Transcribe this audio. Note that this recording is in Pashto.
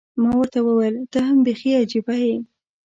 ما ورته وویل، ته هم بیخي عجيبه یې.